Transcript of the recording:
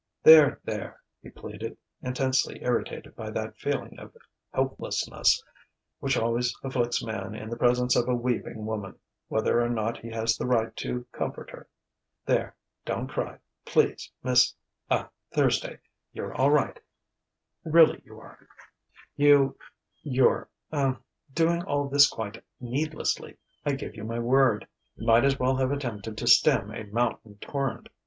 "There, there!" he pleaded, intensely irritated by that feeling of helplessness which always afflicts man in the presence of a weeping woman, whether or not he has the right to comfort her. "There don't cry, please, Miss ah Thursday. You're all right really, you are. You you're ah doing all this quite needlessly, I give you my word." He might as well have attempted to stem a mountain torrent.